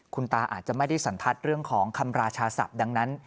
คุณตาอาจจะไม่ได้สันทัศน์เรื่องของคำราชาศัพท์ดังนั้น